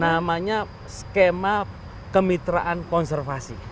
namanya skema kemitraan konservasi